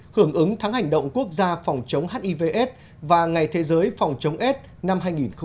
hưởng ứng thắng hành động quốc gia phòng chống hiv aids và ngày thế giới phòng chống aids năm hai nghìn một mươi bảy